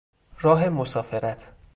راه مسافرت